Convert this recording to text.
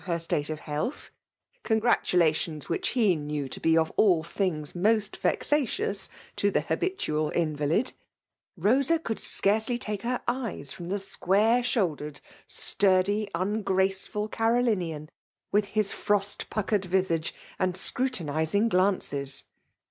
her state of facalth, — ^congratulations which he knew to be of 411 things most vexatious to the habitual invalid^ — Bosa could scarcely take her eyes from the square shouldered, sturdy> ungraceful Gfi8soUnian» with his frost pudkered visage, and scrutinizing glances.